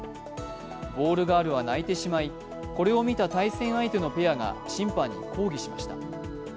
ボールガールは泣いてしまいこれを見た対戦相手のペアが審判に抗議しました。